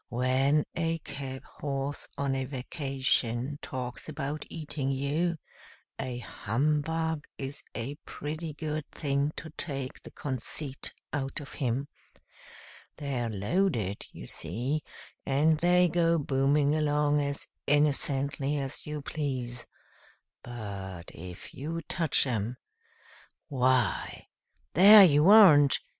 "When a cab horse on a vacation talks about eating you, a Hum Bug is a pretty good thing to take the conceit out of him. They're loaded, you see, and they go booming along as innocently as you please; but if you touch 'em why, 'There you aren't!'